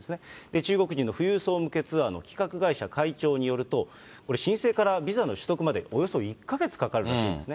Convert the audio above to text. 中国人の富裕層向けツアーの企画会社会長によると、これ、申請からビザの取得までおよそ１か月かかるらしいんですね。